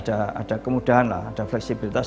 ada kemudahan ada fleksibilitas